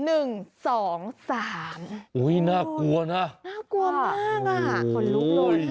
อุ๊ยน่ากลัวนะคนลุกลนน่ากลัวมาก